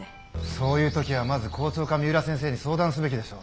そういう時はまず校長か三浦先生に相談すべきでしょ。